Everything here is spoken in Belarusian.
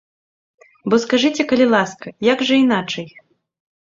Бо скажыце, калі ласка, як жа іначай.